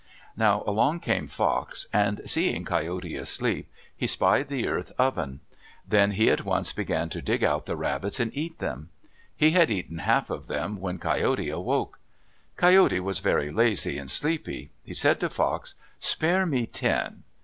Now along came Fox, and seeing Coyote asleep, he spied the earth oven. Then he at once began to dig out the rabbits and eat them. He had eaten half of them when Coyote awoke. Coyote was very lazy and sleepy. He said to Fox, "Spare me ten."